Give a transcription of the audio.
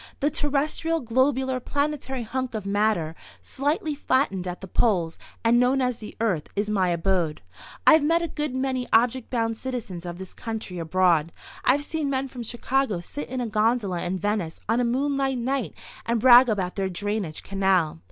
"The terrestrial, globular, planetary hunk of matter, slightly flattened at the poles, and known as the Earth, is my abode. I've met a good many object bound citizens of this country abroad. I've seen men from Chicago sit in a gondola in Venice on a moonlight night and brag about their drainage canal.